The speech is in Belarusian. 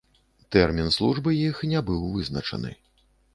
Тэрмін службы іх не быў вызначаны.